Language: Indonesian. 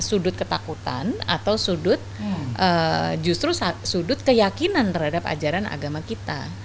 sudut ketakutan atau sudut justru sudut keyakinan terhadap ajaran agama kita